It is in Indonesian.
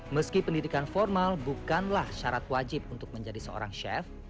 meski pendidikan formal bukanlah syarat wajib untuk menjadi seorang chef